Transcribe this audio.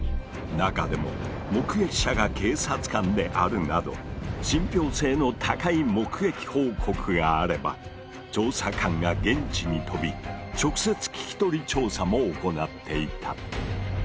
中でも目撃者が警察官であるなど信憑性の高い目撃報告があれば調査官が現地に飛び直接聞き取り調査も行っていた。